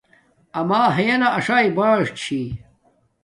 اما ھیا اݽایݵ باݽ چھِِی